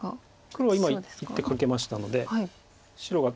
黒は今１手かけましたので白が。